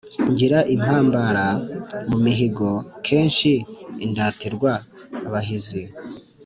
Ngira impambara mu mihigo, nkesha indatirwa abahizi